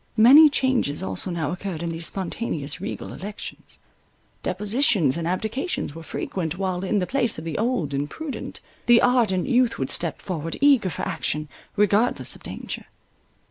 Many changes also now occurred in these spontaneous regal elections: depositions and abdications were frequent, while, in the place of the old and prudent, the ardent youth would step forward, eager for action, regardless of danger.